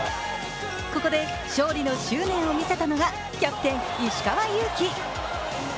ここで勝利の執念を見せたのがキャプテン・石川祐希。